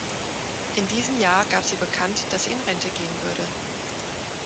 In diesem Jahr gab sie bekannt, dass sie in Rente gehen würde.